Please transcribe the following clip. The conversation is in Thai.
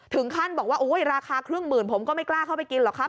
ถึงขั้นบอกว่าราคาครึ่งหมื่นผมก็ไม่กล้าเข้าไปกินหรอกครับ